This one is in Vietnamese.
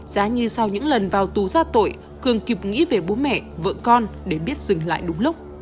giá như sau những lần vào tù ra tội cường kịp nghĩ về bố mẹ vợ con để biết dừng lại đúng lúc